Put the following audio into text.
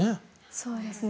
そうですね。